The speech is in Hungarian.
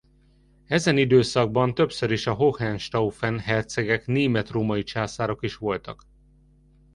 Ezen időszakban többször is a Hohenstaufen hercegek német-római császárok is voltak.